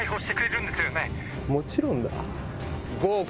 もちろんだ。